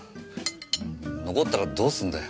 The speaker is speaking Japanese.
残ったらどうすんだよ。